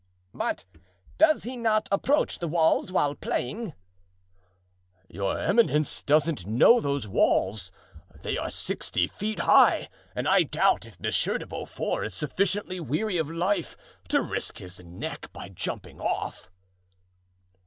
"But does he not approach the walls while playing?" "Your eminence doesn't know those walls; they are sixty feet high and I doubt if Monsieur de Beaufort is sufficiently weary of life to risk his neck by jumping off."